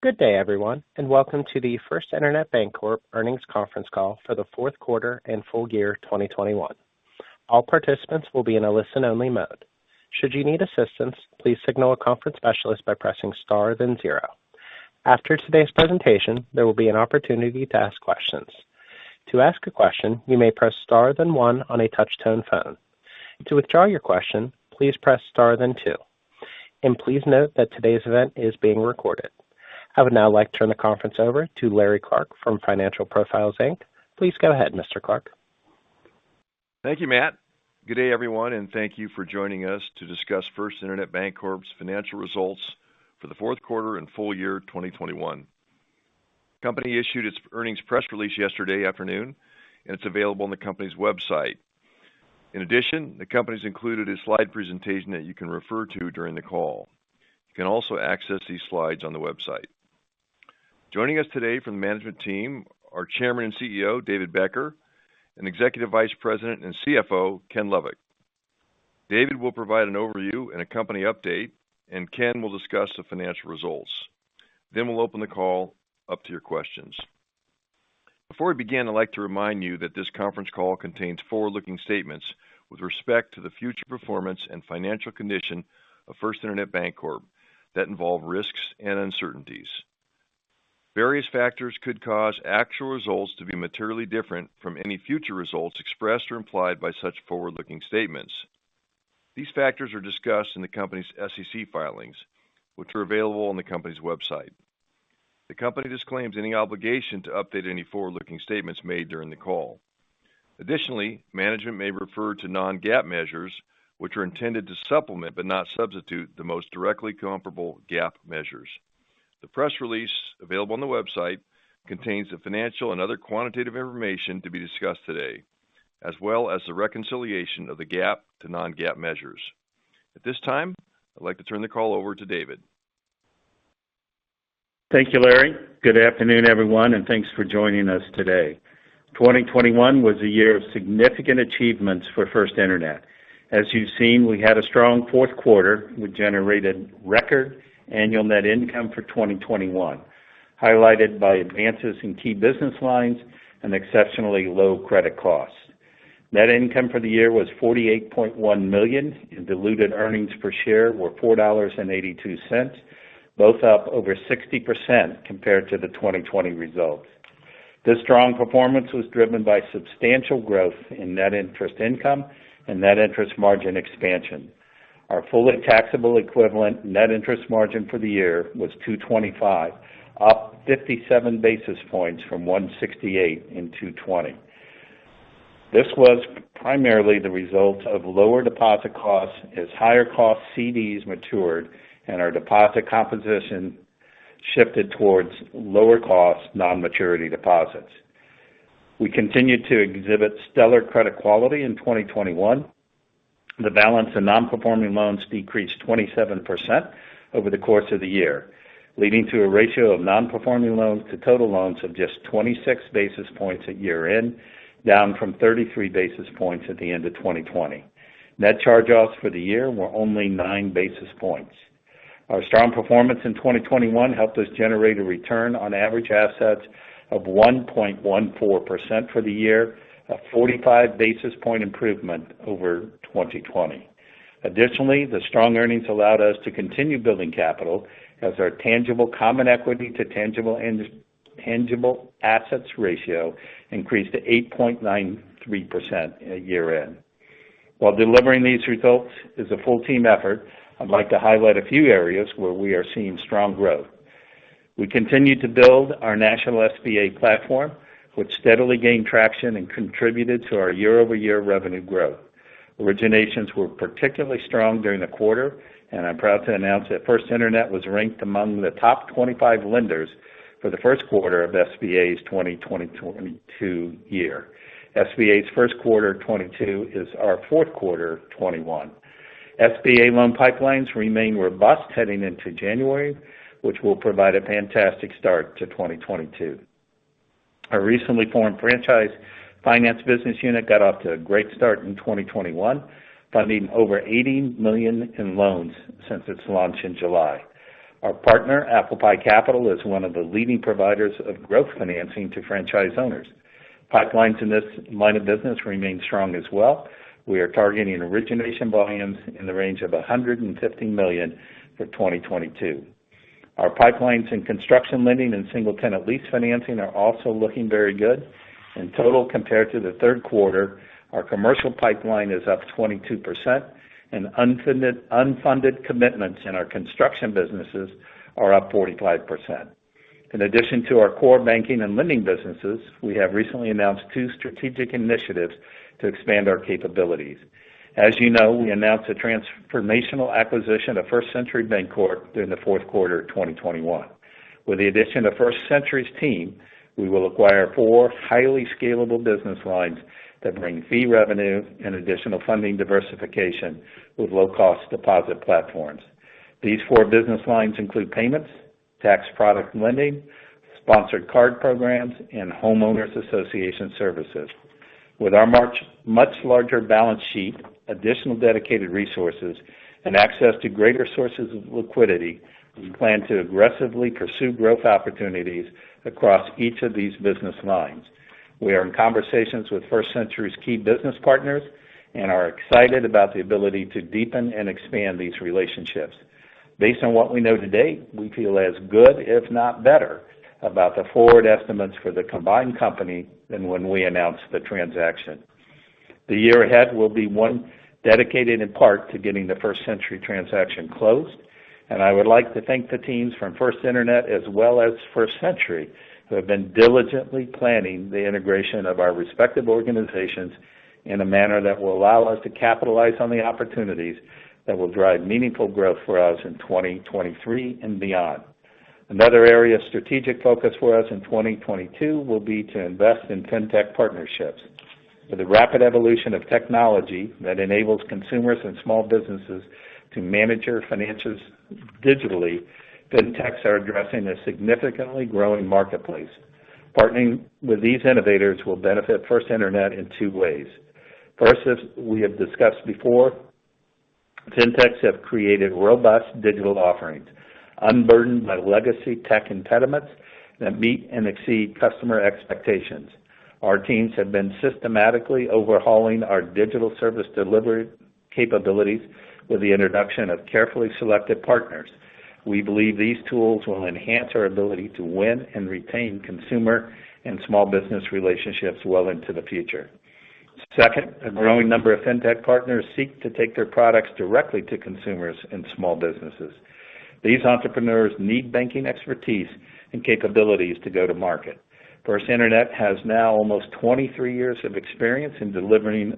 Good day, everyone, and welcome to the First Internet Bancorp earnings conference call for the fourth quarter and full year 2021. All participants will be in a listen-only mode. Should you need assistance, please signal a conference specialist by pressing Star, then zero. After today's presentation, there will be an opportunity to ask questions. To ask a question, you may press star then one on a touch-tone phone. To withdraw your question, please press star then two. Please note that today's event is being recorded. I would now like to turn the conference over to Larry Clark from Financial Profiles, Inc. Please go ahead, Mr. Clark. Thank you, Matt. Good day, everyone, and thank you for joining us to discuss First Internet Bancorp's financial results for the fourth quarter and full year 2021. The company issued its earnings press release yesterday afternoon, and it's available on the company's website. In addition, the company has included a slide presentation that you can refer to during the call. You can also access these slides on the website. Joining us today from the management team are Chairman and CEO David Becker and Executive Vice President and CFO Ken Lovik. David will provide an overview and a company update, and Ken will discuss the financial results. We'll open the call up to your questions. Before we begin, I'd like to remind you that this conference call contains forward-looking statements with respect to the future performance and financial condition of First Internet Bancorp that involve risks and uncertainties. Various factors could cause actual results to be materially different from any future results expressed or implied by such forward-looking statements. These factors are discussed in the company's SEC filings, which are available on the company's website. The company disclaims any obligation to update any forward-looking statements made during the call. Additionally, management may refer to non-GAAP measures, which are intended to supplement, but not substitute, the most directly comparable GAAP measures. The press release available on the website contains the financial and other quantitative information to be discussed today, as well as the reconciliation of the GAAP to non-GAAP measures. At this time, I'd like to turn the call over to David. Thank you, Larry. Good afternoon, everyone, and thanks for joining us today. 2021 was a year of significant achievements for First Internet. As you've seen, we had a strong fourth quarter. We generated record annual net income for 2021, highlighted by advances in key business lines and exceptionally low credit costs. Net income for the year was $48.1 million. Diluted earnings per share were $4.82, both up over 60% compared to the 2020 results. This strong performance was driven by substantial growth in net interest income and net interest margin expansion. Our fully taxable equivalent net interest margin for the year was 2.25%, up 57 basis points from 1.68% in 2020. This was primarily the result of lower deposit costs as higher cost CDs matured and our deposit composition shifted towards lower cost non-maturity deposits. We continued to exhibit stellar credit quality in 2021. The balance in non-performing loans decreased 27% over the course of the year, leading to a ratio of non-performing loans to total loans of just 26 basis points at year-end, down from 33 basis points at the end of 2020. Net charge-offs for the year were only 9 basis points. Our strong performance in 2021 helped us generate a return on average assets of 1.14% for the year, a 45 basis point improvement over 2020. Additionally, the strong earnings allowed us to continue building capital as our tangible common equity to tangible assets ratio increased to 8.93% at year-end. While delivering these results is a full team effort, I'd like to highlight a few areas where we are seeing strong growth. We continue to build our national SBA platform, which steadily gained traction and contributed to our year-over-year revenue growth. Originations were particularly strong during the quarter, and I'm proud to announce that First Internet was ranked among the top 25 lenders for the first quarter of SBA's 2022 year. SBA's first quarter 2022 is our fourth quarter 2021. SBA loan pipelines remain robust heading into January, which will provide a fantastic start to 2022. Our recently formed franchise finance business unit got off to a great start in 2021, funding over $80 million in loans since its launch in July. Our partner, ApplePie Capital, is one of the leading providers of growth financing to franchise owners. Pipelines in this line of business remain strong as well. We are targeting origination volumes in the range of $150 million for 2022. Our pipelines in construction lending and single-tenant lease financing are also looking very good. In total, compared to the third quarter, our commercial pipeline is up 22% and unfunded commitments in our construction businesses are up 45%. In addition to our core banking and lending businesses, we have recently announced two strategic initiatives to expand our capabilities. As you know, we announced the transformational acquisition of First Century Bancorp during the fourth quarter of 2021. With the addition of First Century's team, we will acquire four highly scalable business lines that bring fee revenue and additional funding diversification with low cost deposit platforms. These four business lines include payments, tax product lending, sponsored card programs, and homeowners association services. With our much larger balance sheet, additional dedicated resources, and access to greater sources of liquidity, we plan to aggressively pursue growth opportunities across each of these business lines. We are in conversations with First Century's key business partners and are excited about the ability to deepen and expand these relationships. Based on what we know to date, we feel as good, if not better, about the forward estimates for the combined company than when we announced the transaction. The year ahead will be one dedicated in part to getting the First Century transaction closed, and I would like to thank the teams from First Internet as well as First Century, who have been diligently planning the integration of our respective organizations in a manner that will allow us to capitalize on the opportunities that will drive meaningful growth for us in 2023 and beyond. Another area of strategic focus for us in 2022 will be to invest in Fintech partnerships. With the rapid evolution of technology that enables consumers and small businesses to manage their finances digitally, Fintechs are addressing a significantly growing marketplace. Partnering with these innovators will benefit First Internet in two ways. First, as we have discussed before, Fintechs have created robust digital offerings unburdened by legacy tech impediments that meet and exceed customer expectations. Our teams have been systematically overhauling our digital service delivery capabilities with the introduction of carefully selected partners. We believe these tools will enhance our ability to win and retain consumer and small business relationships well into the future. Second, a growing number of fintech partners seek to take their products directly to consumers and small businesses. These entrepreneurs need banking expertise and capabilities to go to market. First Internet has now almost 23 years of experience in delivering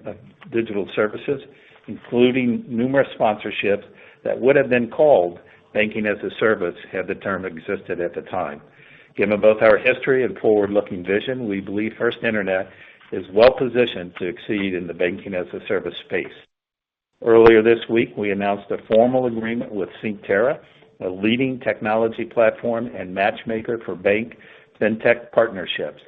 digital services, including numerous sponsorships that would have been called banking-as-a-service had the term existed at the time. Given both our history and forward-looking vision, we believe First Internet is well positioned to succeed in the banking-as-a-service space. Earlier this week, we announced a formal agreement with Synctera, a leading technology platform and matchmaker for bank fintech partnerships.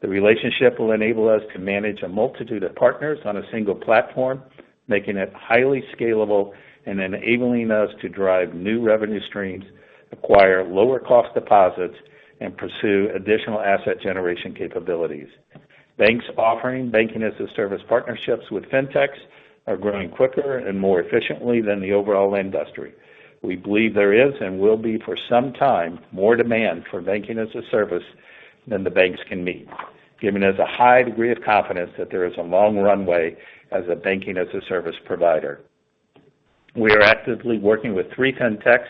The relationship will enable us to manage a multitude of partners on a single platform, making it highly scalable and enabling us to drive new revenue streams, acquire lower cost deposits, and pursue additional asset generation capabilities. Banks offering banking-as-a-service partnerships with fintechs are growing quicker and more efficiently than the overall industry. We believe there is and will be, for some time, more demand for banking-as-a-service than the banks can meet, giving us a high degree of confidence that there is a long runway as a banking-as-a-service provider. We are actively working with three fintechs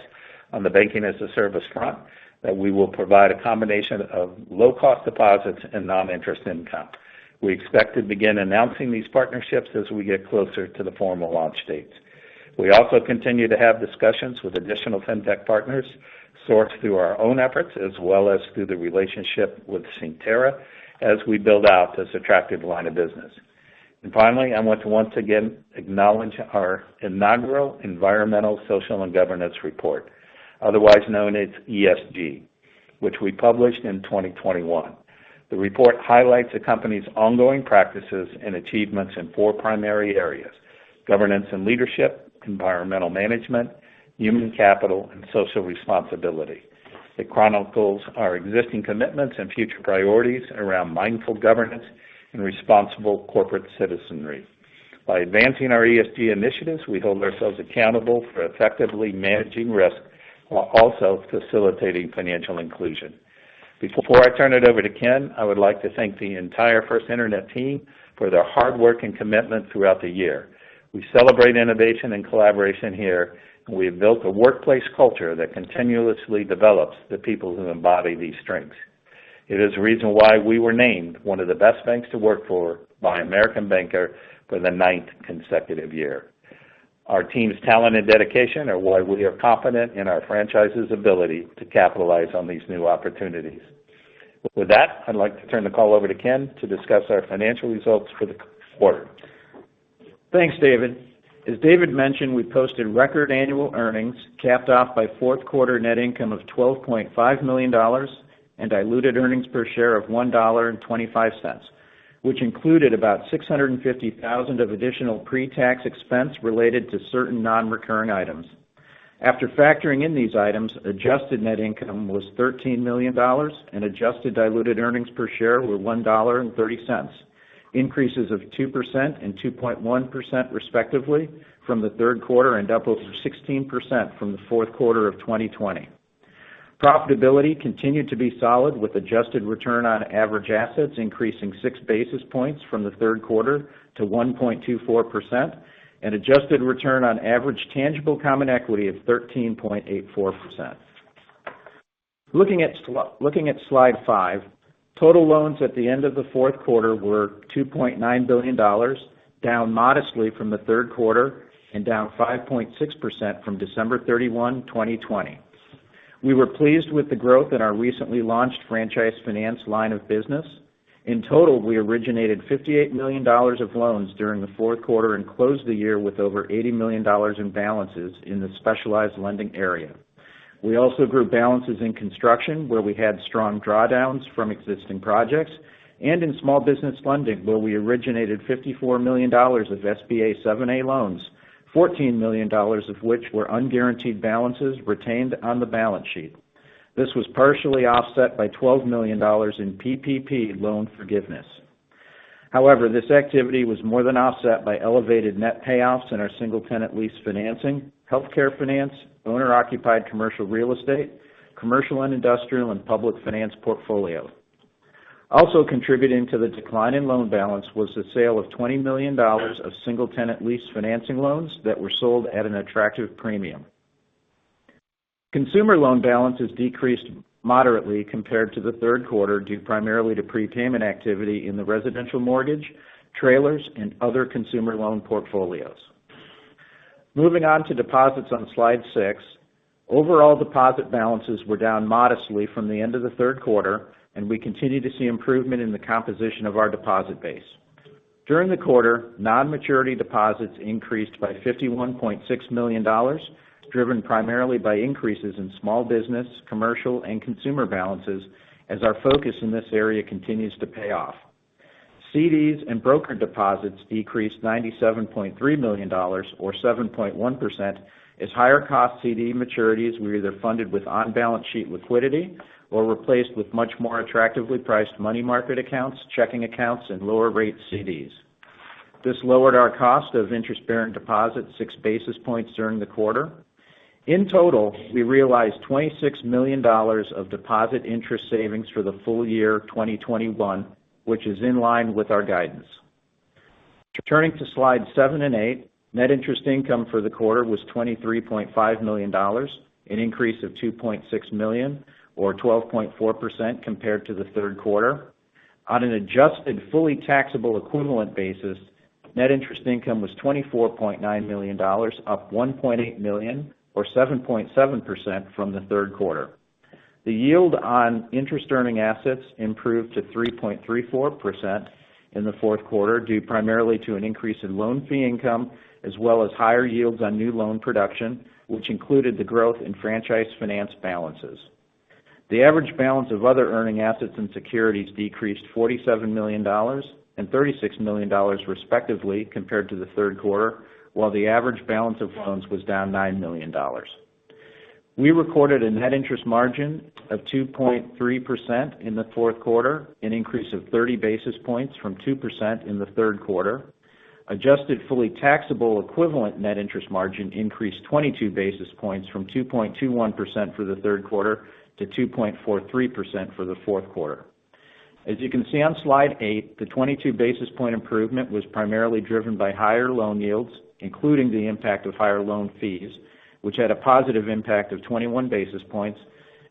on the banking-as-a-service front that we will provide a combination of low cost deposits and non-interest income. We expect to begin announcing these partnerships as we get closer to the formal launch dates. We also continue to have discussions with additional fintech partners sourced through our own efforts, as well as through the relationship with Synctera as we build out this attractive line of business. Finally, I want to once again acknowledge our inaugural environmental, social, and governance report, otherwise known as ESG, which we published in 2021. The report highlights the company's ongoing practices and achievements in four primary areas, governance and leadership, environmental management, human capital, and social responsibility. It chronicles our existing commitments and future priorities around mindful governance and responsible corporate citizenry. By advancing our ESG initiatives, we hold ourselves accountable for effectively managing risk while also facilitating financial inclusion. Before I turn it over to Ken, I would like to thank the entire First Internet team for their hard work and commitment throughout the year. We celebrate innovation and collaboration here, and we have built a workplace culture that continuously develops the people who embody these strengths. It is the reason why we were named one of the Best Banks to Work For by American Banker for the ninth consecutive year. Our team's talent and dedication are why we are confident in our franchise's ability to capitalize on these new opportunities. With that, I'd like to turn the call over to Ken to discuss our financial results for the quarter. Thanks, David. As David mentioned, we posted record annual earnings capped off by fourth quarter net income of $12.5 million and diluted earnings per share of $1.25, which included about $650,000 of additional pre-tax expense related to certain non-recurring items. After factoring in these items, adjusted net income was $13 million and adjusted diluted earnings per share were $1.30, increases of 2% and 2.1% respectively from the third quarter and up over 16% from the fourth quarter of 2020. Profitability continued to be solid, with adjusted return on average assets increasing 6 basis points from the third quarter to 1.24% and adjusted return on average tangible common equity of 13.84%. Looking at slide five, total loans at the end of the fourth quarter were $2.9 billion, down modestly from the third quarter and down 5.6% from December 31, 2020. We were pleased with the growth in our recently launched franchise finance line of business. In total, we originated $58 million of loans during the fourth quarter and closed the year with over $80 million in balances in the specialized lending area. We also grew balances in construction, where we had strong drawdowns from existing projects, and in small business lending, where we originated $54 million of SBA 7(a) loans, $14 million of which were unguaranteed balances retained on the balance sheet. This was partially offset by $12 million in PPP loan forgiveness. However, this activity was more than offset by elevated net payoffs in our single-tenant lease financing, healthcare finance, owner-occupied commercial real estate, commercial and industrial, and public finance portfolio. Also contributing to the decline in loan balance was the sale of $20 million of single-tenant lease financing loans that were sold at an attractive premium. Consumer loan balances decreased moderately compared to the third quarter, due primarily to prepayment activity in the residential mortgage, trailers, and other consumer loan portfolios. Moving on to deposits on slide six. Overall deposit balances were down modestly from the end of the third quarter, and we continue to see improvement in the composition of our deposit base. During the quarter, non-maturity deposits increased by $51.6 million, driven primarily by increases in small business, commercial, and consumer balances as our focus in this area continues to pay off. CDs and broker deposits decreased $97.3 million or 7.1% as higher cost CD maturities were either funded with on-balance sheet liquidity or replaced with much more attractively priced money market accounts, checking accounts, and lower rate CDs. This lowered our cost of interest-bearing deposits 6 basis points during the quarter. In total, we realized $26 million of deposit interest savings for the full year 2021, which is in line with our guidance. Turning to slide seven and eight, net interest income for the quarter was $23.5 million, an increase of $2.6 million or 12.4% compared to the third quarter. On an adjusted, fully taxable equivalent basis, net interest income was $24.9 million, up $1.8 million or 7.7% from the third quarter. The yield on interest earning assets improved to 3.34% in the fourth quarter, due primarily to an increase in loan fee income as well as higher yields on new loan production, which included the growth in franchise finance balances. The average balance of other earning assets and securities decreased $47 million and $36 million respectively compared to the third quarter, while the average balance of loans was down $9 million. We recorded a net interest margin of 2.3% in the fourth quarter, an increase of 30 basis points from 2% in the third quarter. Adjusted fully taxable equivalent net interest margin increased 22 basis points from 2.21% for the third quarter to 2.43% for the fourth quarter. As you can see on slide eight, the 22 basis point improvement was primarily driven by higher loan yields, including the impact of higher loan fees, which had a positive impact of 21 basis points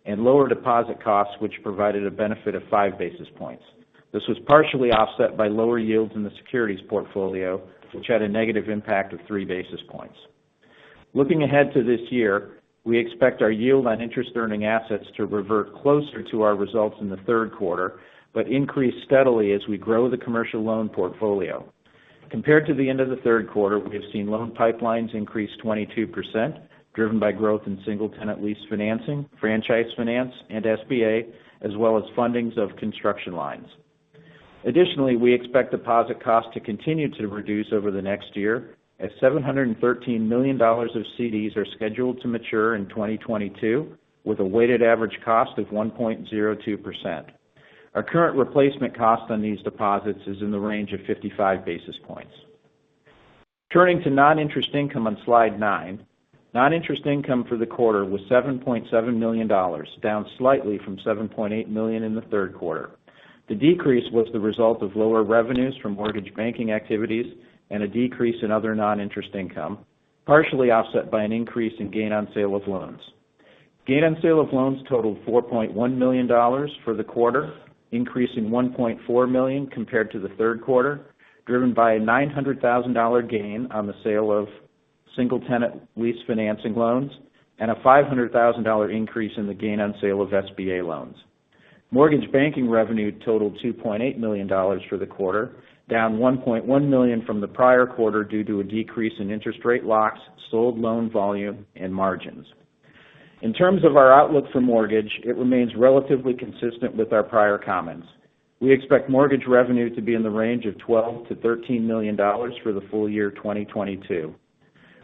and lower deposit costs, which provided a benefit of 5 basis points. This was partially offset by lower yields in the securities portfolio, which had a negative impact of 3 basis points. Looking ahead to this year, we expect our yield on interest earning assets to revert closer to our results in the third quarter, but increase steadily as we grow the commercial loan portfolio. Compared to the end of the third quarter, we have seen loan pipelines increase 22%, driven by growth in single tenant lease financing, franchise finance and SBA, as well as fundings of construction lines. Additionally, we expect deposit costs to continue to reduce over the next year as $713 million of CDs are scheduled to mature in 2022 with a weighted average cost of 1.02%. Our current replacement cost on these deposits is in the range of 55 basis points. Turning to non-interest income on slide nine. Non-interest income for the quarter was $7.7 million, down slightly from $7.8 million in the third quarter. The decrease was the result of lower revenues from mortgage banking activities and a decrease in other non-interest income, partially offset by an increase in gain on sale of loans. Gain on sale of loans totaled $4.1 million for the quarter, increasing $1.4 million compared to the third quarter, driven by a $900,000 gain on the sale of single-tenant lease financing loans and a $500,000 increase in the gain on sale of SBA loans. Mortgage banking revenue totaled $2.8 million for the quarter, down $1.1 million from the prior quarter due to a decrease in interest rate locks, sold loan volume and margins. In terms of our outlook for mortgage, it remains relatively consistent with our prior comments. We expect mortgage revenue to be in the range of $12 million-$13 million for the full year 2022.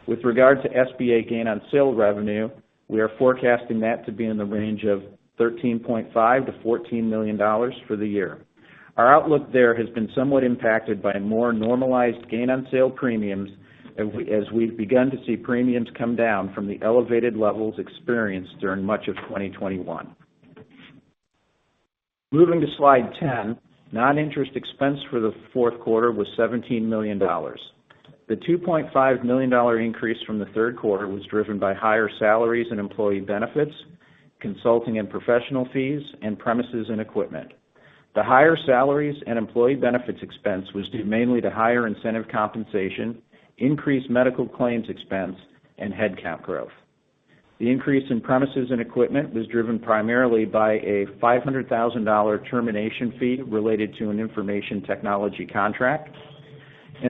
With regard to SBA gain on sale revenue, we are forecasting that to be in the range of $13.5 million-$14 million for the year. Our outlook there has been somewhat impacted by more normalized gain on sale premiums as we, as we've begun to see premiums come down from the elevated levels experienced during much of 2021. Moving to slide 10, non-interest expense for the fourth quarter was $17 million. The $2.5 million increase from the third quarter was driven by higher salaries and employee benefits, consulting and professional fees, and premises and equipment. The higher salaries and employee benefits expense was due mainly to higher incentive compensation, increased medical claims expense and headcount growth. The increase in premises and equipment was driven primarily by a $500,000 termination fee related to an information technology contract.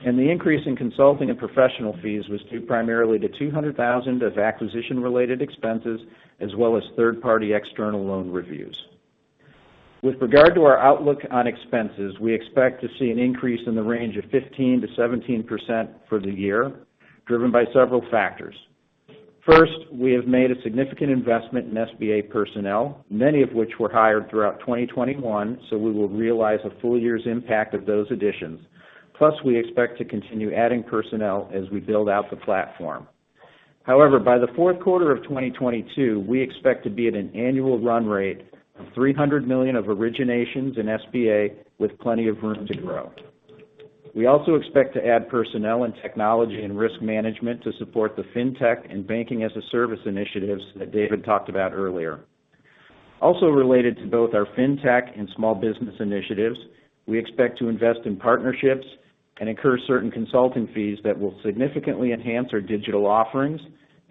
The increase in consulting and professional fees was due primarily to $200,000 of acquisition-related expenses as well as third-party external loan reviews. With regard to our outlook on expenses, we expect to see an increase in the range of 15%-17% for the year, driven by several factors. First, we have made a significant investment in SBA personnel, many of which were hired throughout 2021, so we will realize a full year's impact of those additions. Plus, we expect to continue adding personnel as we build out the platform. However, by the fourth quarter of 2022, we expect to be at an annual run rate of $300 million of originations in SBA with plenty of room to grow. We also expect to add personnel and technology and risk management to support the fintech and banking-as-a-service initiatives that David talked about earlier. Also related to both our fintech and small business initiatives, we expect to invest in partnerships and incur certain consulting fees that will significantly enhance our digital offerings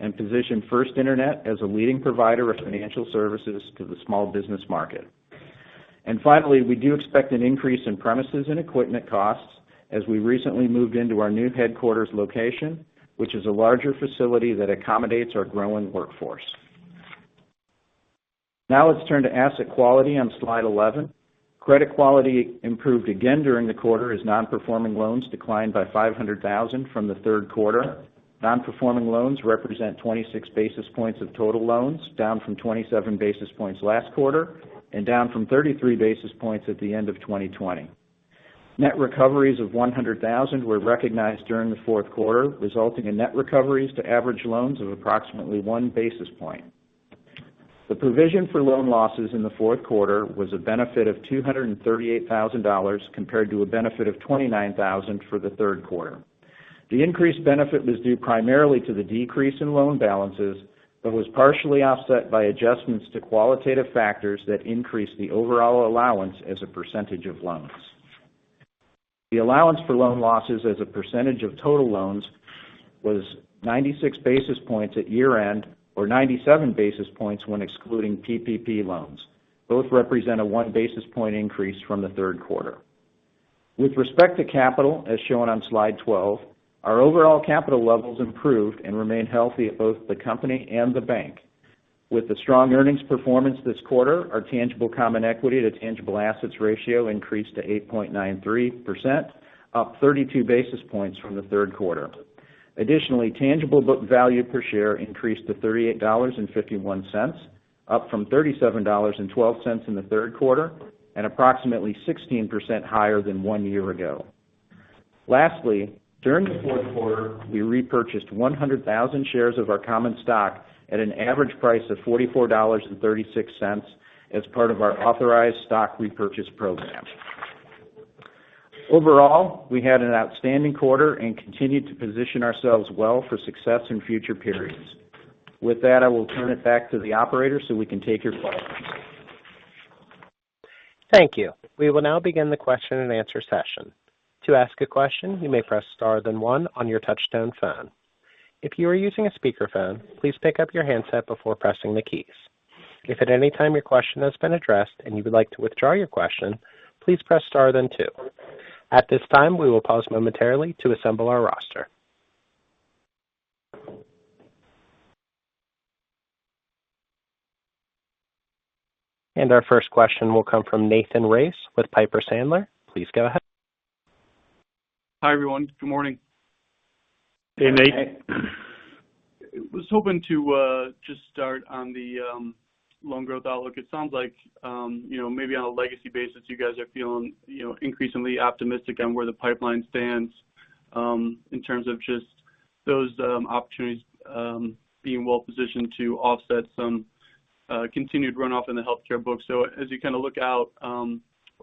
and position First Internet as a leading provider of financial services to the small business market. Finally, we do expect an increase in premises and equipment costs as we recently moved into our new headquarters location, which is a larger facility that accommodates our growing workforce. Now let's turn to asset quality on slide 11. Credit quality improved again during the quarter as non-performing loans declined by $500,000 from the third quarter. Non-performing loans represent 26 basis points of total loans, down from 27 basis points last quarter, and down from 33 basis points at the end of 2020. Net recoveries of $100,000 were recognized during the fourth quarter, resulting in net recoveries to average loans of approximately 1 basis point. The provision for loan losses in the fourth quarter was a benefit of $238,000 compared to a benefit of $29,000 for the third quarter. The increased benefit was due primarily to the decrease in loan balances, but was partially offset by adjustments to qualitative factors that increased the overall allowance as a percentage of loans. The allowance for loan losses as a percentage of total loans was 96 basis points at year-end or 97 basis points when excluding PPP loans. Both represent a 1 basis point increase from the third quarter. With respect to capital, as shown on slide 12, our overall capital levels improved and remained healthy at both the company and the bank. With the strong earnings performance this quarter, our tangible common equity to tangible assets ratio increased to 8.93%, up 32 basis points from the third quarter. Additionally, tangible book value per share increased to $38.51, up from $37.12 in the third quarter, and approximately 16% higher than 1 year ago. Lastly, during the fourth quarter, we repurchased 100,000 shares of our common stock at an average price of $44.36 as part of our authorized stock repurchase program. Overall, we had an outstanding quarter and continued to position ourselves well for success in future periods. With that, I will turn it back to the operator so we can take your questions. Thank you. We will now begin the question and answer session. To ask a question, you may press star then one on your touchtone phone. If you are using a speakerphone, please pick up your handset before pressing the keys. If at any time your question has been addressed and you would like to withdraw your question, please press star then two. At this time, we will pause momentarily to assemble our roster. Our first question will come from Nathan Race with Piper Sandler. Please go ahead. Hi, everyone. Good morning. Hey, Nate. I was hoping to just start on the loan growth outlook. It sounds like you know maybe on a legacy basis you guys are feeling you know increasingly optimistic on where the pipeline stands in terms of just those opportunities being well positioned to offset some continued runoff in the healthcare book. As you kind of look out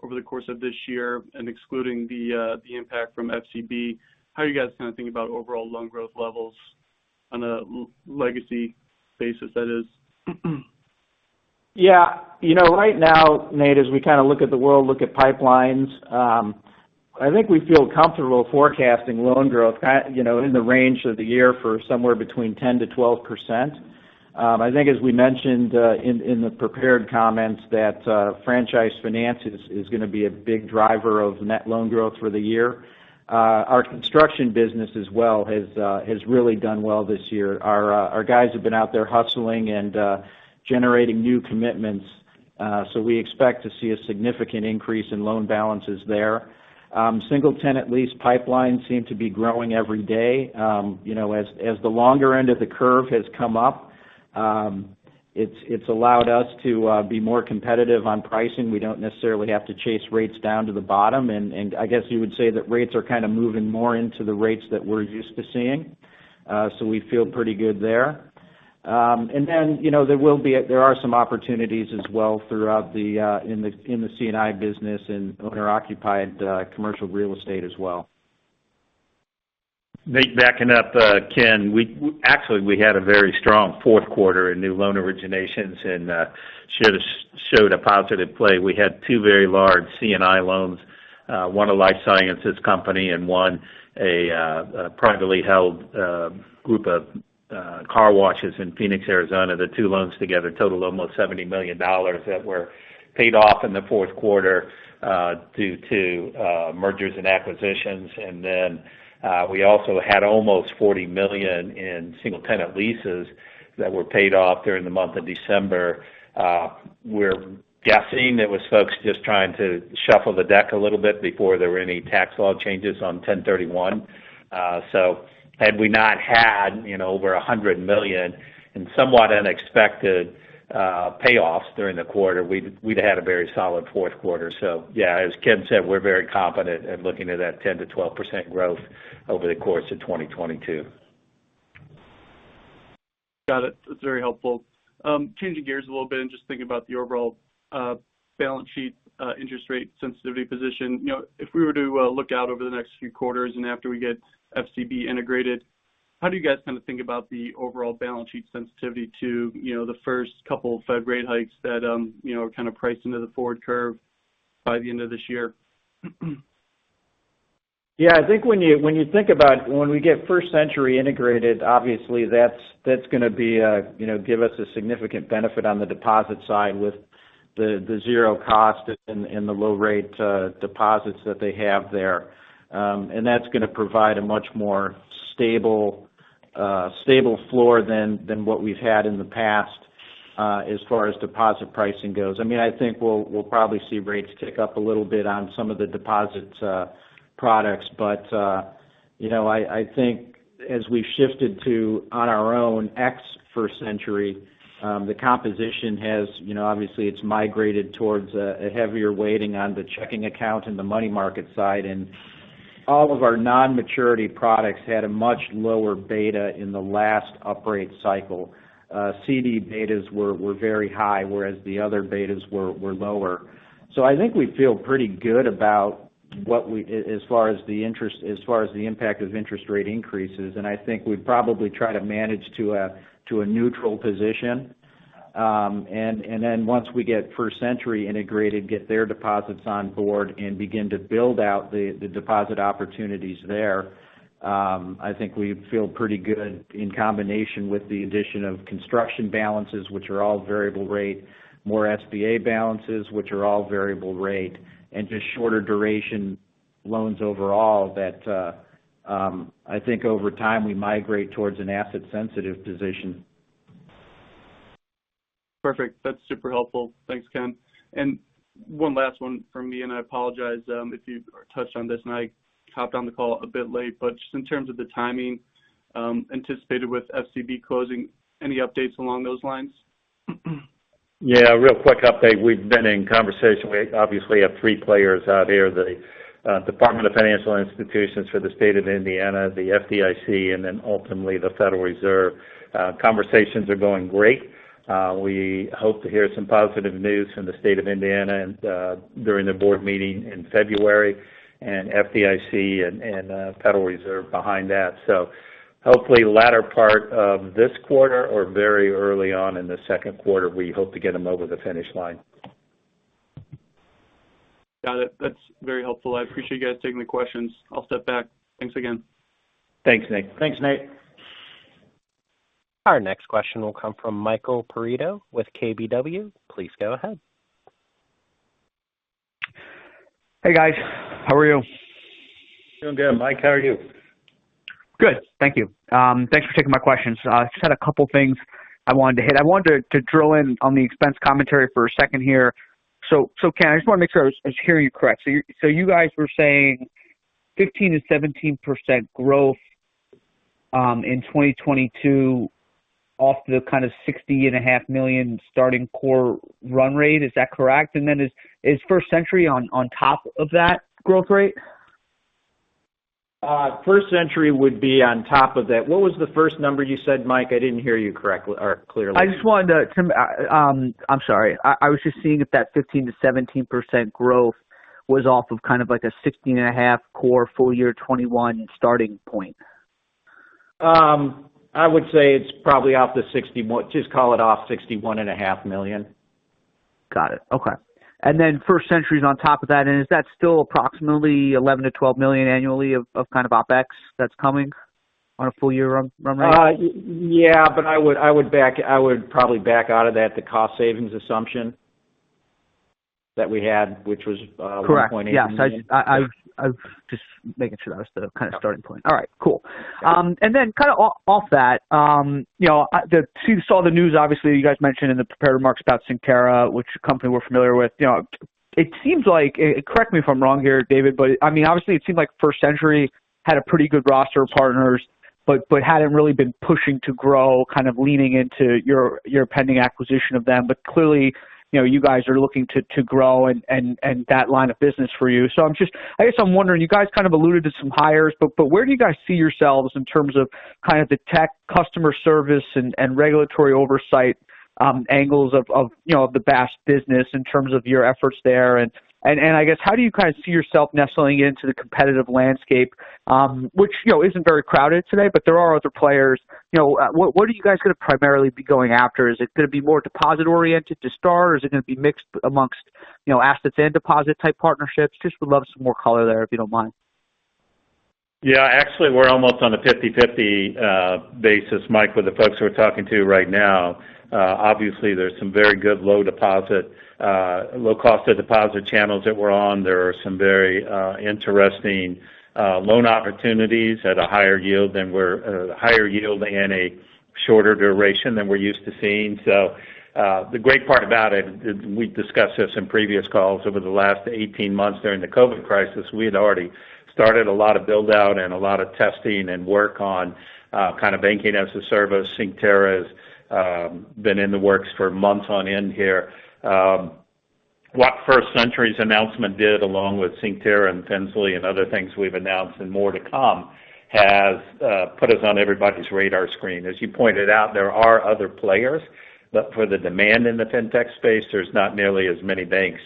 over the course of this year and excluding the impact from FCB, how are you guys kind of thinking about overall loan growth levels on a legacy basis that is? Yeah. You know, right now, Nate, as we kind of look at the world, look at pipelines, I think we feel comfortable forecasting loan growth you know, in the range for the year for somewhere between 10%-12%. I think as we mentioned in the prepared comments that franchise financing is gonna be a big driver of net loan growth for the year. Our construction business as well has really done well this year. Our guys have been out there hustling and generating new commitments. We expect to see a significant increase in loan balances there. Single-tenant lease pipelines seem to be growing every day. You know, as the longer end of the curve has come up, it's allowed us to be more competitive on pricing. We don't necessarily have to chase rates down to the bottom. I guess you would say that rates are kind of moving more into the rates that we're used to seeing. We feel pretty good there. You know, there are some opportunities as well throughout the C&I business and owner-occupied commercial real estate as well. Nate, backing up, Ken, actually, we had a very strong fourth quarter in new loan originations and showed a positive play. We had two very large C&I loans One, a life sciences company, and one, a privately held group of car washes in Phoenix, Arizona. The two loans together total almost $70 million that were paid off in the fourth quarter due to mergers and acquisitions. We also had almost $40 million in single tenant leases that were paid off during the month of December. We're guessing it was folks just trying to shuffle the deck a little bit before there were any tax law changes on 1031. Had we not had, you know, over $100 million in somewhat unexpected payoffs during the quarter, we'd had a very solid fourth quarter. Yeah, as Ken said, we're very confident in looking at that 10%-12% growth over the course of 2022. Got it. That's very helpful. Changing gears a little bit and just thinking about the overall balance sheet interest rate sensitivity position. You know, if we were to look out over the next few quarters and after we get FCB integrated, how do you guys kind of think about the overall balance sheet sensitivity to, you know, the first couple Fed rate hikes that, you know, are kind of priced into the forward curve by the end of this year? Yeah, I think when you think about when we get First Century integrated, obviously that's gonna be a you know give us a significant benefit on the deposit side with the zero cost and the low rate deposits that they have there. And that's gonna provide a much more stable floor than what we've had in the past as far as deposit pricing goes. I mean, I think we'll probably see rates tick up a little bit on some of the deposits products. But you know I think as we've shifted to on our own ex First Century the composition has you know obviously it's migrated towards a heavier weighting on the checking account and the money market side. All of our non-maturity products had a much lower beta in the last upgrade cycle. CD betas were very high, whereas the other betas were lower. I think we feel pretty good about, as far as the impact of interest rate increases. I think we'd probably try to manage to a neutral position. Once we get First Century integrated, get their deposits on board and begin to build out the deposit opportunities there, I think we feel pretty good in combination with the addition of construction balances, which are all variable rate, more SBA balances, which are all variable rate, and just shorter duration loans overall that I think over time we migrate towards an asset sensitive position. Perfect. That's super helpful. Thanks, Ken. One last one from me, and I apologize if you touched on this, and I hopped on the call a bit late. Just in terms of the timing anticipated with FCB closing, any updates along those lines? Yeah, real quick update. We've been in conversation. We obviously have three players out here, the Department of Financial Institutions for the State of Indiana, the FDIC, and then ultimately the Federal Reserve. Conversations are going great. We hope to hear some positive news from the State of Indiana and during the board meeting in February, and FDIC and Federal Reserve behind that. Hopefully latter part of this quarter or very early on in the second quarter, we hope to get them over the finish line. Got it. That's very helpful. I appreciate you guys taking the questions. I'll step back. Thanks again. Thanks, Nate. Thanks, Nate. Our next question will come from Michael Perito with KBW. Please go ahead. Hey, guys. How are you? Doing good, Mike. How are you? Good, thank you. Thanks for taking my questions. I just had a couple things I wanted to hit. I wanted to drill in on the expense commentary for a second here. Ken, I just wanna make sure I was hearing you correct. You guys were saying 15%-17% growth in 2022 off the kind of $60.5 million starting core run rate. Is that correct? Is First Century on top of that growth rate? First Century would be on top of that. What was the first number you said, Mike? I didn't hear you correctly or clearly. I'm sorry. I was just seeing if that 15%-17% growth was off of kind of like a 16.5 core full year 2021 starting point. I would say it's probably off the $61.5 million. Just call it off $61.5 million. Got it. Okay. First Century is on top of that, and is that still approximately $11 million-$12 million annually of kind of OpEx that's coming on a full year run rate? Yeah, I would probably back out of that, the cost savings assumption that we had, which was $1.8 million. Correct. Yeah. Just making sure that was the kind of starting point. All right, cool. Then kind of off that, you know, you saw the news obviously. You guys mentioned in the prepared remarks about Synctera, which company we're familiar with. You know, it seems like, correct me if I'm wrong here, David, but I mean, obviously it seemed like First Century had a pretty good roster of partners but hadn't really been pushing to grow, kind of leaning into your pending acquisition of them. Clearly, you know, you guys are looking to grow and that line of business for you. I'm just I guess I'm wondering, you guys kind of alluded to some hires, but where do you guys see yourselves in terms of kind of the tech, customer service and regulatory oversight angles of you know, the BaaS business in terms of your efforts there? I guess, how do you kind of see yourself nestling into the competitive landscape, which, you know, isn't very crowded today, but there are other players. You know, what are you guys gonna primarily be going after? Is it gonna be more deposit-oriented to start, or is it gonna be mixed amongst, you know, assets and deposit type partnerships? Just would love some more color there, if you don't mind. Yeah, actually, we're almost on a 50/50 basis, Mike, with the folks we're talking to right now. Obviously, there's some very good low cost of deposit channels that we're on. There are some very interesting loan opportunities at a higher yield and a shorter duration than we're used to seeing. The great part about it, and we've discussed this in previous calls over the last 18 months during the COVID crisis, we had already started a lot of build-out and a lot of testing and work on kind of banking-as-a-service. Synctera has been in the works for months on end here. What First Century's announcement did, along with Synctera and Finzly and other things we've announced and more to come, has put us on everybody's radar screen. As you pointed out, there are other players, but for the demand in the fintech space, there's not nearly as many banks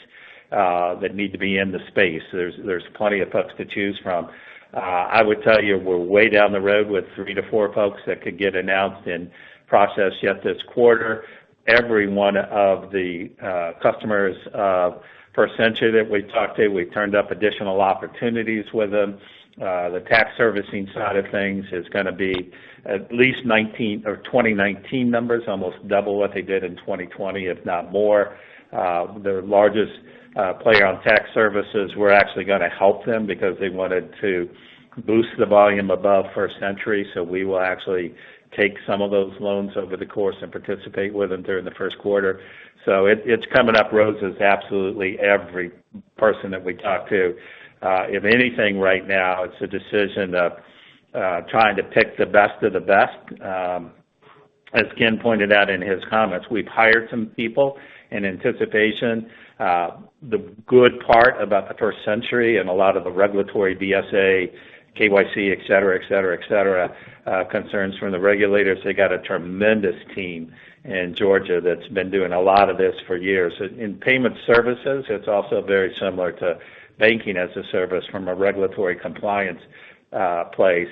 that need to be in the space. There's plenty of folks to choose from. I would tell you we're way down the road with three to four folks that could get announced or in process yet this quarter. Every one of the customers of First Century that we talked to, we turned up additional opportunities with them. The tax servicing side of things is gonna be at least 19 or 20 times the 2019 numbers, almost double what they did in 2020, if not more. Their largest player on tax services, we're actually gonna help them because they wanted to boost the volume above First Century, so we will actually take some of those loans over the course and participate with them during the first quarter. It's coming up roses, absolutely every person that we talk to. If anything right now it's a decision of trying to pick the best of the best. As Ken pointed out in his comments, we've hired some people in anticipation. The good part about the First Century and a lot of the regulatory BSA, KYC, et cetera, concerns from the regulators, they got a tremendous team in Georgia that's been doing a lot of this for years. In payment services, it's also very similar to banking-as-a-service from a regulatory compliance place.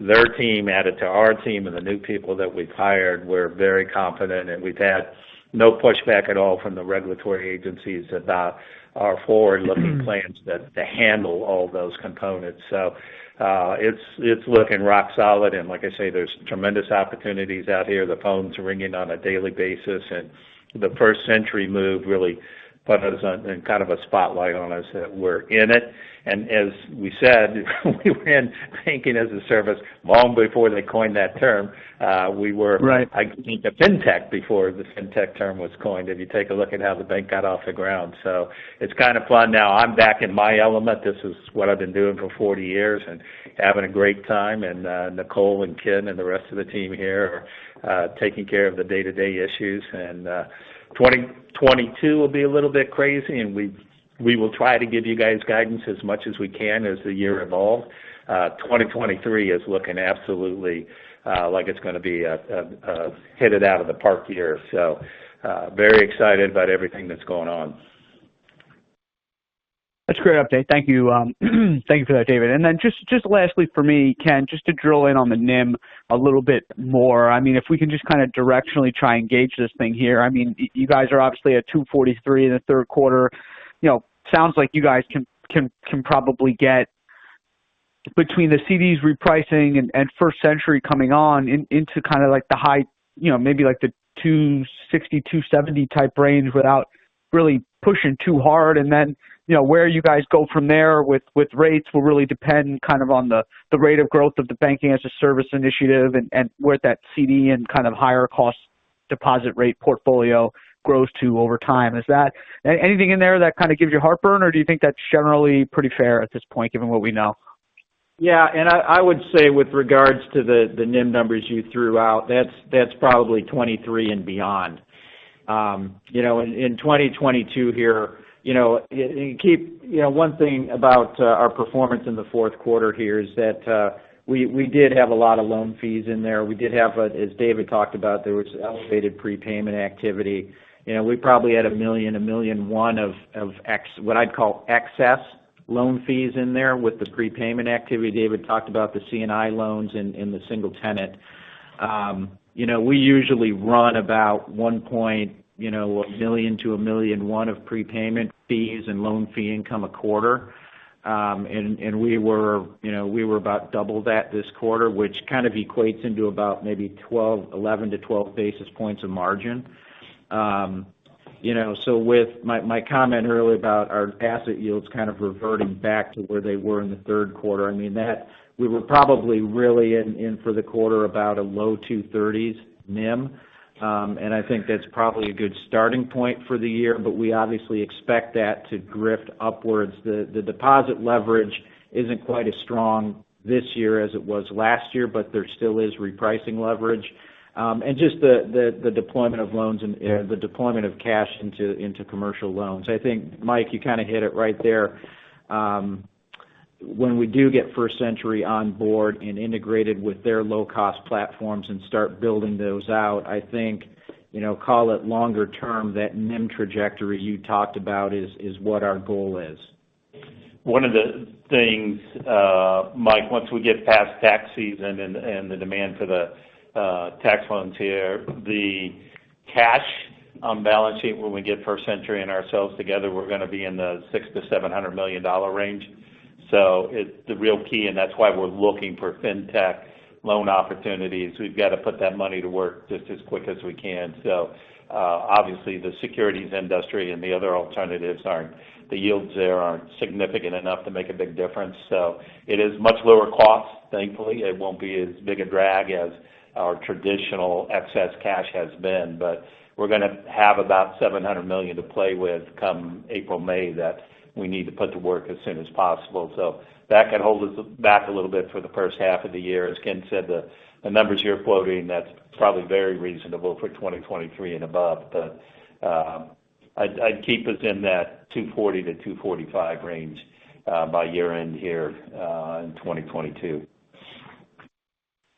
Their team added to our team and the new people that we've hired. We're very confident, and we've had no pushback at all from the regulatory agencies about our forward-looking plans to handle all those components. It's looking rock solid and like I say, there's tremendous opportunities out here. The phone's ringing on a daily basis, and the First Century move really put a spotlight on us that we're in it. As we said, we were in banking-as-a-service long before they coined that term. Right. I mean, the fintech before the fintech term was coined, if you take a look at how the bank got off the ground. It's kind of fun. Now I'm back in my element. This is what I've been doing for 40 years and having a great time. Nicole and Ken and the rest of the team here are taking care of the day-to-day issues. 2022 will be a little bit crazy, and we will try to give you guys guidance as much as we can as the year evolves. 2023 is looking absolutely like it's gonna be a hit it out of the park year. Very excited about everything that's going on. That's a great update. Thank you. Thank you for that, David. Then just lastly for me, Ken, just to drill in on the NIM a little bit more. I mean, if we can just kind of directionally try and gauge this thing here. I mean, you guys are obviously at 2.43% in the third quarter. You know, sounds like you guys can probably get between the CDs repricing and First Century coming on into kind of like the high, you know, maybe like the 2.60%-2.70% type range without really pushing too hard. Then, you know, where you guys go from there with rates will really depend kind of on the rate of growth of the banking-as-a-service initiative and where that CD and kind of higher cost deposit rate portfolio grows to over time. Is that anything in there that kind of gives you heartburn, or do you think that's generally pretty fair at this point, given what we know? Yeah. I would say with regards to the NIM numbers you threw out, that's probably 2023 and beyond. You know, in 2022 here, you know, one thing about our performance in the fourth quarter here is that we did have a lot of loan fees in there. We did have, as David talked about, there was elevated prepayment activity. You know, we probably had $1 million-$1.1 million of what I'd call excess loan fees in there with the prepayment activity. David talked about the C&I loans and the single tenant. You know, we usually run about $1 million-$1.1 million of prepayment fees and loan fee income a quarter. We were about double that this quarter, which kind of equates into about maybe 11-12 basis points of margin. You know, with my comment earlier about our asset yields kind of reverting back to where they were in the third quarter, I mean, that we were probably really in for the quarter about a low 2.3s NIM. I think that's probably a good starting point for the year, but we obviously expect that to drift upwards. The deposit leverage isn't quite as strong this year as it was last year, but there still is repricing leverage. Just the deployment of loans and the deployment of cash into commercial loans. I think, Mike, you kind of hit it right there. When we do get First Century on board and integrated with their low-cost platforms and start building those out, I think, you know, call it longer term, that NIM trajectory you talked about is what our goal is. One of the things, Mike, once we get past tax season and the demand for the tax loans here, the cash On balance sheet, when we get First Century and ourselves together, we're gonna be in the $600 million-$700 million range. The real key, and that's why we're looking for fintech loan opportunities. We've got to put that money to work just as quick as we can. Obviously, the securities industry and the other alternatives, the yields there aren't significant enough to make a big difference. It is much lower cost. Thankfully, it won't be as big a drag as our traditional excess cash has been. We're gonna have about $700 million to play with come April, May, that we need to put to work as soon as possible. That could hold us back a little bit for the first half of the year. As Ken said, the numbers you're quoting, that's probably very reasonable for 2023 and above. I'd keep us in that 2.40-2.45 range by year-end here in 2022.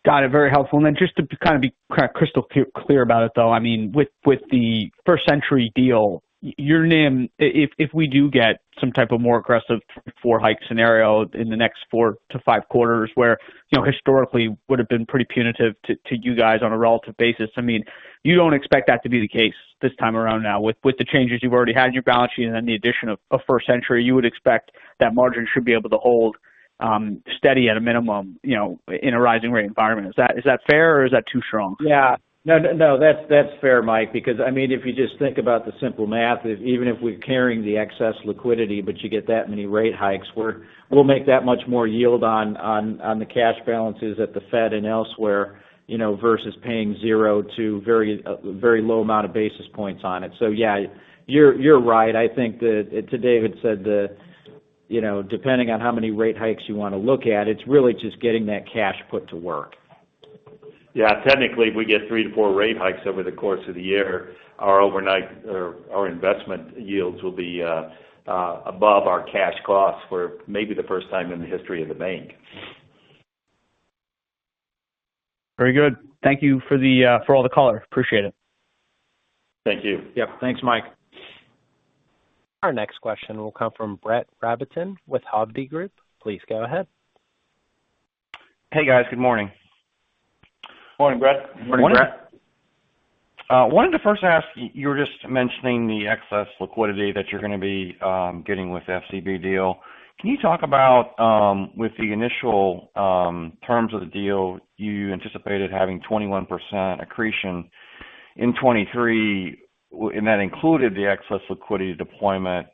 Got it. Very helpful. Just to kind of be crystal clear about it, though, I mean, with the First Century deal, your NIM, if we do get some type of more aggressive rate hike scenario in the next four to five quarters, which, you know, historically would have been pretty punitive to you guys on a relative basis. I mean, you don't expect that to be the case this time around now with the changes you've already had in your balance sheet and then the addition of First Century. You would expect that margin should be able to hold steady at a minimum, you know, in a rising rate environment. Is that fair or is that too strong? Yeah. No, no, that's fair, Mike. Because, I mean, if you just think about the simple math, if we're carrying the excess liquidity, but you get that many rate hikes, we'll make that much more yield on the cash balances at the Fed and elsewhere, you know, versus paying zero to very low amount of basis points on it. So yeah, you're right. I think that, too. David said that, you know, depending on how many rate hikes you want to look at, it's really just getting that cash put to work. Yeah. Technically, we get three to four rate hikes over the course of the year. Our overnight or our investment yields will be above our cash costs for maybe the first time in the history of the bank. Very good. Thank you for the, for all the color. Appreciate it. Thank you. Yep. Thanks, Mike. Our next question will come from Brett Rabatin with Hovde Group. Please go ahead. Hey, guys. Good morning. Morning, Brett. Morning, Brett. Wanted to first ask, you were just mentioning the excess liquidity that you're gonna be getting with FCB deal. Can you talk about with the initial terms of the deal you anticipated having 21% accretion in 2023, and that included the excess liquidity deployment,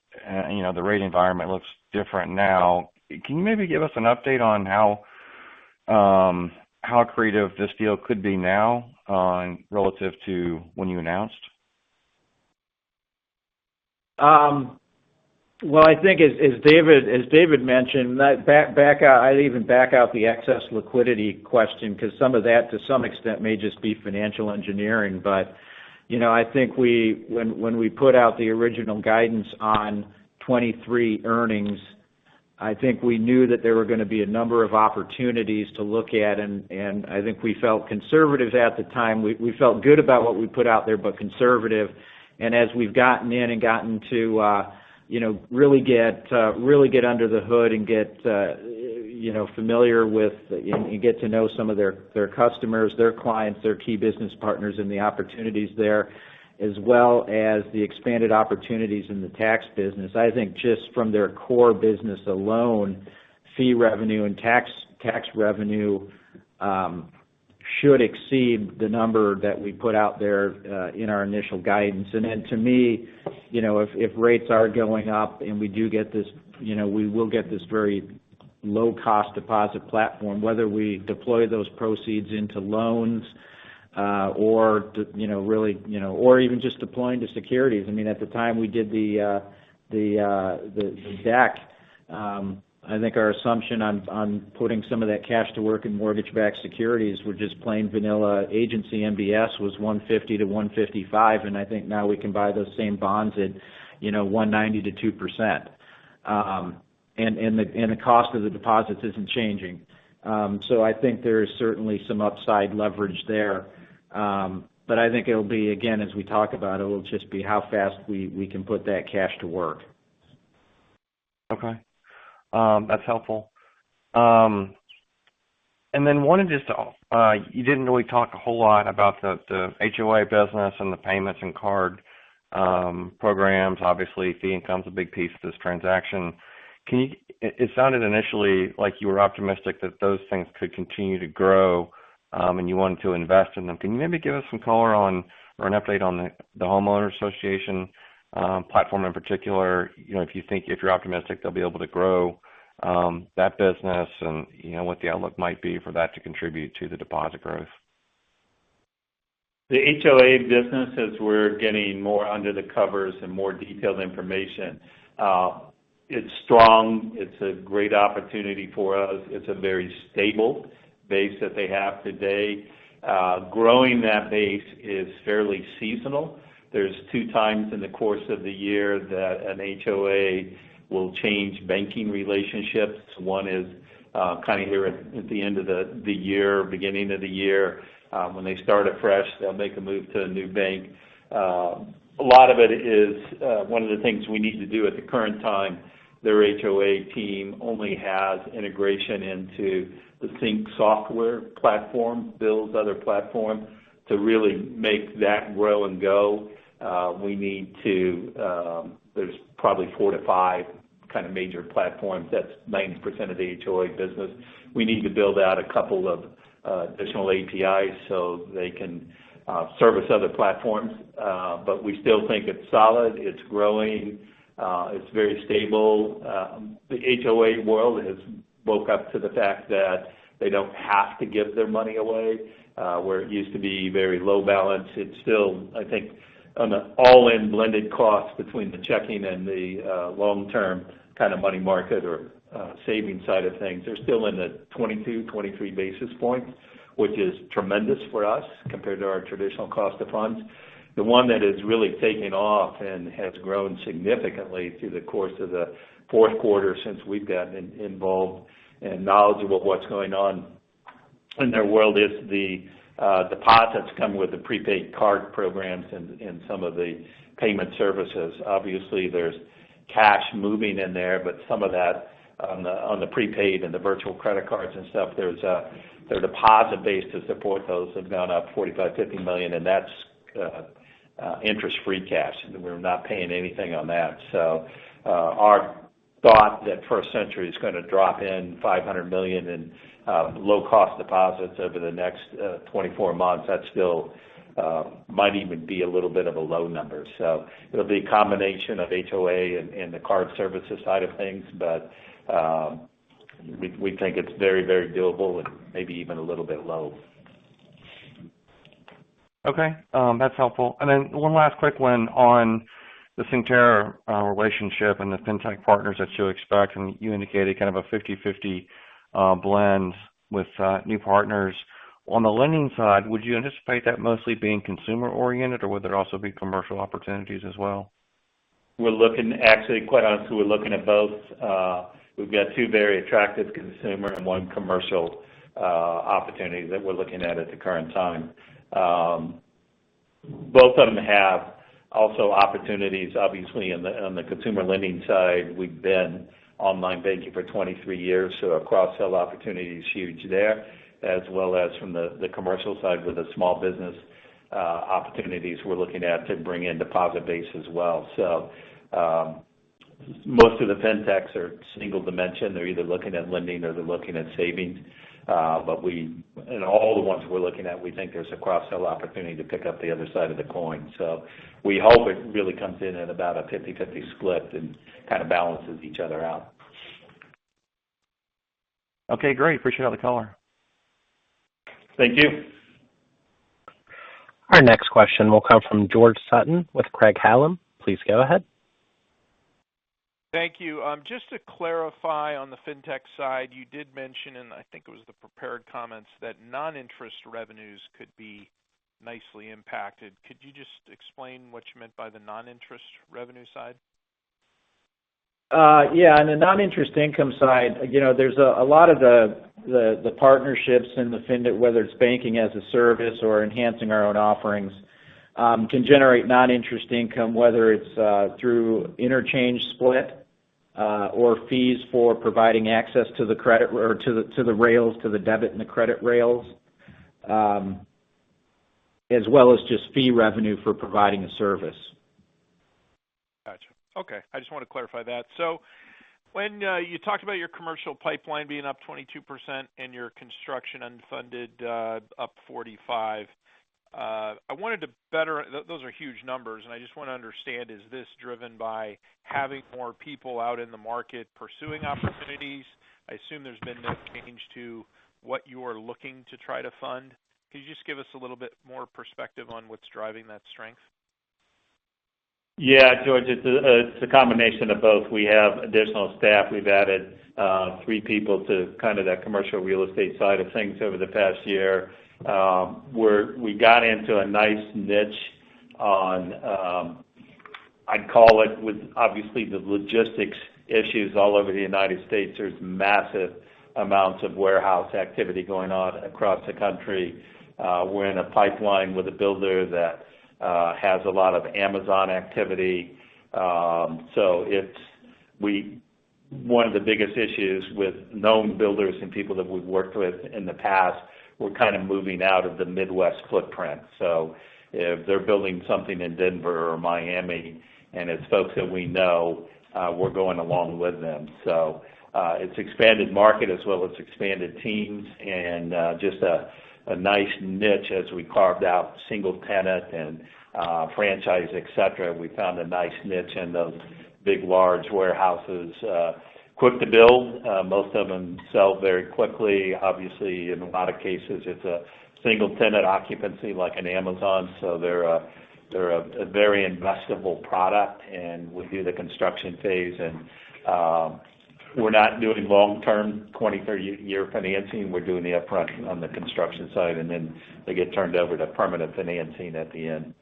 you know, the rate environment looks different now. Can you maybe give us an update on how accretive this deal could be now, relative to when you announced? Well, I think as David mentioned, back out the excess liquidity question because some of that, to some extent, may just be financial engineering. You know, I think when we put out the original guidance on 2023 earnings, I think we knew that there were gonna be a number of opportunities to look at and I think we felt conservative at the time. We felt good about what we put out there, but conservative. As we've gotten in and gotten to you know, really get under the hood and get you know, familiar with and get to know some of their customers, their clients, their key business partners and the opportunities there, as well as the expanded opportunities in the tax business. I think just from their core business alone, fee revenue and tax revenue should exceed the number that we put out there in our initial guidance. To me, you know, if rates are going up and we do get this, you know, we will get this very low cost deposit platform, whether we deploy those proceeds into loans or to, you know, really, you know, or even just deploying to securities. I mean, at the time we did the deck, I think our assumption on putting some of that cash to work in mortgage-backed securities were just plain vanilla agency MBS was 150 to 155, and I think now we can buy those same bonds at, you know, 1.90%-2%. The cost of the deposits isn't changing. I think there is certainly some upside leverage there. I think it'll be, again, as we talk about it will just be how fast we can put that cash to work. Okay. That's helpful. You didn't really talk a whole lot about the HOA business and the payments and card programs. Obviously, fee income is a big piece of this transaction. It sounded initially like you were optimistic that those things could continue to grow and you wanted to invest in them. Can you maybe give us some color on or an update on the homeowner association platform in particular, you know, if you're optimistic they'll be able to grow that business and, you know, what the outlook might be for that to contribute to the deposit growth? The HOA business, as we're getting more under the covers and more detailed information, it's strong. It's a great opportunity for us. It's a very stable base that they have today. Growing that base is fairly seasonal. There's two times in the course of the year that an HOA will change banking relationships. One is kind of here at the end of the year, beginning of the year, when they start it fresh, they'll make a move to a new bank. A lot of it is one of the things we need to do at the current time. Their HOA team only has integration into the CINC software platform, builds other platforms. To really make that grow and go, we need to, there's probably four to five kind of major platforms that's 90% of the HOA business. We need to build out a couple of additional APIs, so they can service other platforms. We still think it's solid. It's growing. It's very stable. The HOA world has woke up to the fact that they don't have to give their money away, where it used to be very low balance. It's still, I think, on the all-in blended cost between the checking and the long-term kind of money market or savings side of things, they're still in the 22-23 basis points, which is tremendous for us compared to our traditional cost of funds. The one that has really taken off and has grown significantly through the course of the fourth quarter since we've gotten involved and knowledgeable of what's going on in their world is the deposits come with the prepaid card programs and some of the payment services. Obviously, there's cash moving in there, but some of that on the prepaid and the virtual credit cards and stuff, there's their deposit base to support those have gone up $45 million-$50 million, and that's interest-free cash. We're not paying anything on that. Our thought that First Century is gonna drop in $500 million in low cost deposits over the next 24 months, that still might even be a little bit of a low number. It'll be a combination of HOA and the card services side of things. We think it's very, very doable and maybe even a little bit low. Okay. That's helpful. One last quick one on the Synctera relationship and the fintech partners that you expect, and you indicated kind of a 50/50 blend with new partners. On the lending side, would you anticipate that mostly being consumer oriented, or would there also be commercial opportunities as well? Actually, quite honestly, we're looking at both. We've got two very attractive consumer and one commercial opportunity that we're looking at at the current time. Both of them have also opportunities, obviously, on the consumer lending side. We've been online banking for 23 years, so our cross-sell opportunity is huge there, as well as from the commercial side with the small business opportunities we're looking at to bring in deposit base as well. Most of the fintechs are single dimension. They're either looking at lending or they're looking at savings. In all the ones we're looking at, we think there's a cross-sell opportunity to pick up the other side of the coin. We hope it really comes in at about a 50/50 split and kind of balances each other out. Okay, great. Appreciate the color. Thank you. Our next question will come from George Sutton with Craig-Hallum. Please go ahead. Thank you. Just to clarify on the fintech side, you did mention, and I think it was the prepared comments, that non-interest revenues could be nicely impacted. Could you just explain what you meant by the non-interest revenue side? Yeah, on the non-interest income side, you know, there's a lot of the partnerships in the fintech, whether it's banking as a service or enhancing our own offerings, can generate non-interest income, whether it's through interchange split or fees for providing access to the credit or to the rails, to the debit and the credit rails, as well as just fee revenue for providing a service. Gotcha. Okay. I just wanted to clarify that. When you talked about your commercial pipeline being up 22% and your construction unfunded up 45%, those are huge numbers, and I just wanna understand, is this driven by having more people out in the market pursuing opportunities? I assume there's been no change to what you are looking to try to fund. Could you just give us a little bit more perspective on what's driving that strength? Yeah. George, it's a combination of both. We have additional staff. We've added three people to kind of that commercial real estate side of things over the past year. We got into a nice niche on, I'd call it with, obviously, the logistics issues all over the United States. There's massive amounts of warehouse activity going on across the country. We're in a pipeline with a builder that has a lot of Amazon activity. One of the biggest issues with known builders and people that we've worked with in the past, we're kind of moving out of the Midwest footprint. So if they're building something in Denver or Miami and it's folks that we know, we're going along with them. It's expanded market as well as expanded teams and, just a nice niche as we carved out single tenant and, franchise, et cetera. We found a nice niche in those big, large warehouses, quick to build. Most of them sell very quickly. Obviously, in a lot of cases, it's a single tenant occupancy like an Amazon, so they're a very investable product. We do the construction phase and, we're not doing long-term 20-, 30-year financing. We're doing the upfront on the construction side, and then they get turned over to permanent financing at the end.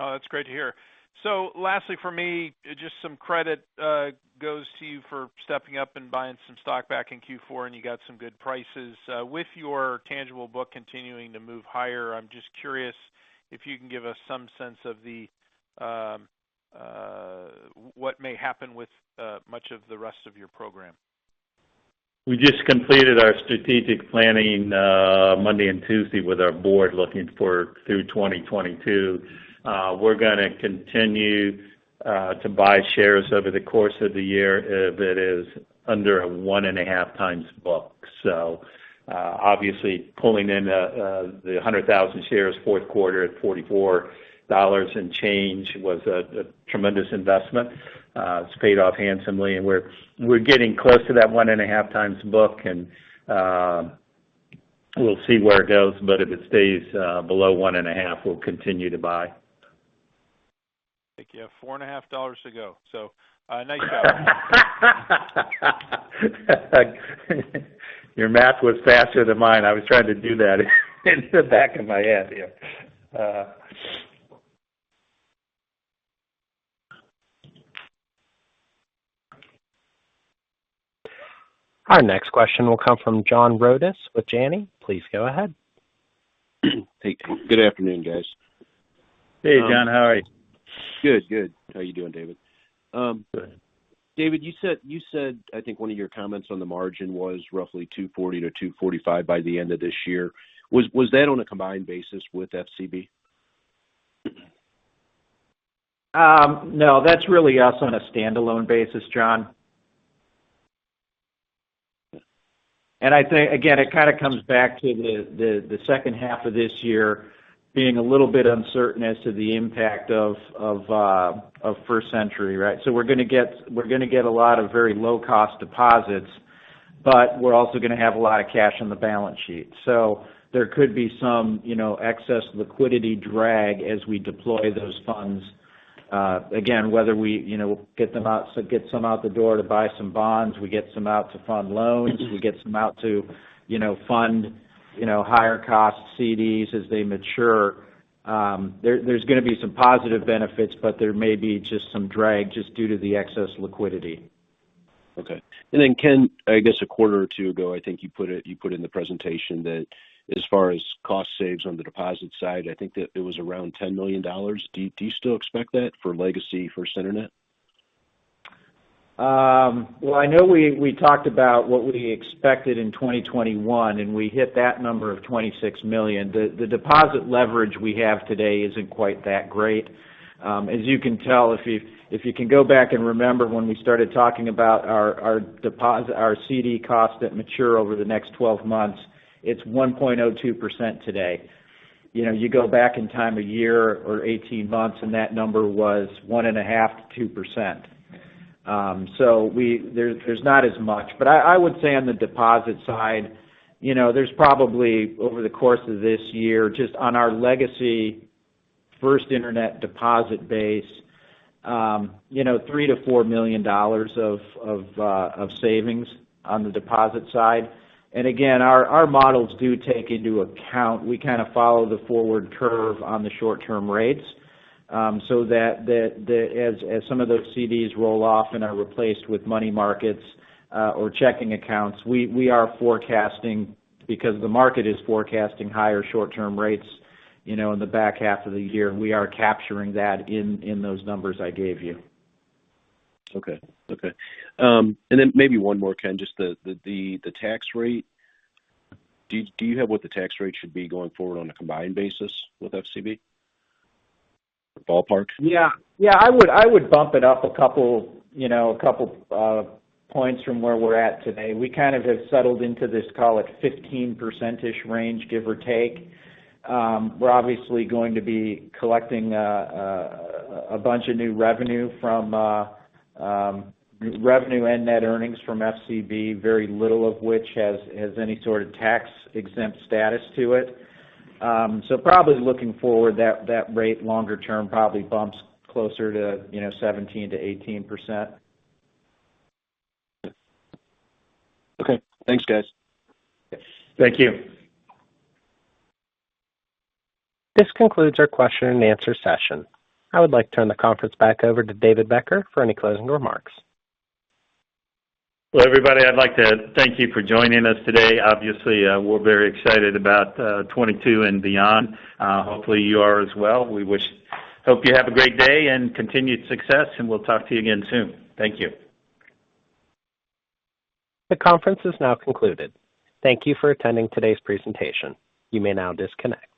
Oh, that's great to hear. Lastly for me, just some credit goes to you for stepping up and buying some stock back in Q4, and you got some good prices. With your tangible book continuing to move higher, I'm just curious if you can give us some sense of what may happen with much of the rest of your program. We just completed our strategic planning Monday and Tuesday with our board, looking forward through 2022. We're gonna continue to buy shares over the course of the year if it is under 1.5x book. Obviously pulling in the 100,000 shares fourth quarter at $44 and change was a tremendous investment. It's paid off handsomely, and we're getting close to that 1.5x book. We'll see where it goes, but if it stays below 1.5, we'll continue to buy. I think you have four and a half dollars to go. Nice job. Your math was faster than mine. I was trying to do that in the back of my head. Yeah. Our next question will come from John Rodis with Janney. Please go ahead. Hey, good afternoon, guys. Hey, John. How are you? Good. How are you doing, David? Good. David, you said I think one of your comments on the margin was roughly 2.40%-2.45% by the end of this year. Was that on a combined basis with FCB? No, that's really us on a standalone basis, John. I think, again, it kind of comes back to the second half of this year being a little bit uncertain as to the impact of First Century, right? We're gonna get a lot of very low-cost deposits, but we're also gonna have a lot of cash on the balance sheet. There could be some, you know, excess liquidity drag as we deploy those funds. Again, whether we, you know, get them out, so get some out the door to buy some bonds, we get some out to fund loans. We get some out to, you know, fund higher cost CDs as they mature. There's gonna be some positive benefits, but there may be just some drag just due to the excess liquidity. Okay. Ken, I guess a quarter or two ago, I think you put in the presentation that as far as cost savings on the deposit side, I think that it was around $10 million. Do you still expect that for legacy First Internet? Well, I know we talked about what we expected in 2021, and we hit that number of $26 million. The deposit leverage we have today isn't quite that great. As you can tell, if you can go back and remember when we started talking about our deposit, our CD costs that mature over the next 12 months, it's 1.02% today. You know, you go back in time a year or 18 months, and that number was 1.5%-2%. So there's not as much. But I would say on the deposit side, you know, there's probably over the course of this year, just on our legacy First Internet deposit base, you know, $3 million-$4 million of savings on the deposit side. Our models do take into account. We kind of follow the forward curve on the short-term rates. So that as some of those CDs roll off and are replaced with money markets or checking accounts, we are forecasting because the market is forecasting higher short-term rates, you know, in the back half of the year, and we are capturing that in those numbers I gave you. Okay. Maybe one more, Ken, just the tax rate. Do you have what the tax rate should be going forward on a combined basis with FCB? Ballpark. Yeah. Yeah, I would bump it up a couple points from where we're at today. We kind of have settled into this, call it, 15%-ish range, give or take. We're obviously going to be collecting a bunch of new revenue from revenue and net earnings from FCB, very little of which has any sort of tax-exempt status to it. So probably looking forward, that rate longer term probably bumps closer to, you know, 17%-18%. Okay. Thanks, guys. Thank you. This concludes our question and answer session. I would like to turn the conference back over to David Becker for any closing remarks. Well, everybody, I'd like to thank you for joining us today. Obviously, we're very excited about 2022 and beyond. Hopefully, you are as well. Hope you have a great day and continued success, and we'll talk to you again soon. Thank you. The conference is now concluded. Thank you for attending today's presentation. You may now disconnect.